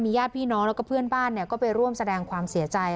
ญาติพี่น้องแล้วก็เพื่อนบ้านก็ไปร่วมแสดงความเสียใจ